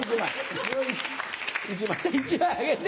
１枚あげて！